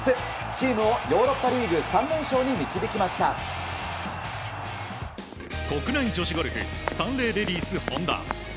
チームをヨーロッパリーグ３連勝に国内女子ゴルフスタンレーレディスホンダ。